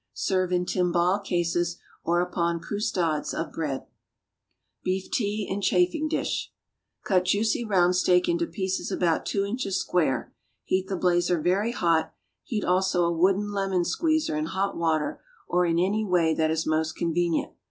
Serve in timbale cases, or upon croustades of bread. =Beef Tea in Chafing dish.= Cut juicy round steak into pieces about two inches square. Heat the blazer very hot; heat also a wooden lemon squeezer in hot water or in any way that is most convenient.